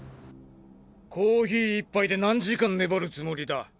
コーヒー１杯で何時間ねばるつもりだ？